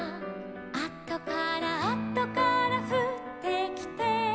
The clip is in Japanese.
「あとからあとからふってきて」